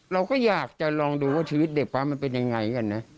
เราก็อยากจะลองดูว่าชีวิตเด็กฟ้ามันเป็นยังไงกันนะ